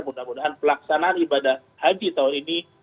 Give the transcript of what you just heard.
mudah mudahan pelaksanaan ibadah haji tahun ini